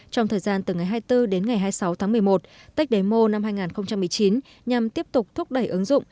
trong thời gian từ ngày hai mươi bốn đến ngày hai mươi sáu tháng một mươi một tech demo năm hai nghìn một mươi chín nhằm tiếp tục thúc đẩy ứng dụng